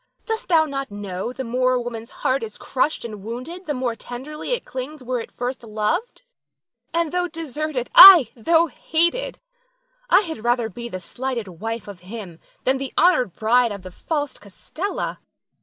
Dost thou not know the more a woman's heart is crushed and wounded the more tenderly it clings where first it loved; and though deserted, ay, though hated, I had rather be the slighted wife of him, than the honored bride of the false Costella.